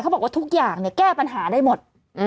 เขาบอกว่าทุกอย่างแก้ปัญหาได้หมด